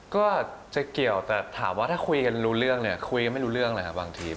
ก็จะเกี่ยวแต่ถามว่าถ้าคุยกันรู้เรื่องเนี่ยคุยกันไม่รู้เรื่องเลยครับบางที